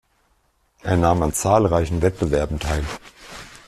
Er nahm an zahlreichen Wettbewerben teil.